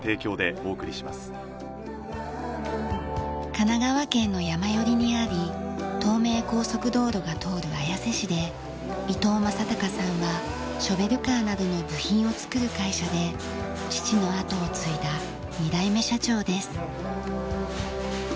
神奈川県の山寄りにあり東名高速道路が通る綾瀬市で伊藤正貴さんはショベルカーなどの部品を作る会社で父の後を継いだ２代目社長です。